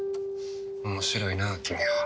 面白いな君は。